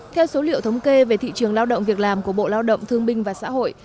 theo số liệu thống kê về thị trường lao động việc làm của bộ lao động thương binh và xã hội